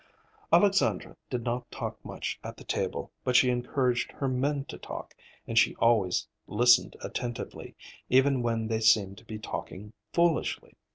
Alexandra did not talk much at the table, but she encouraged her men to talk, and she always listened attentively, even when they seemed to be talking foolishly.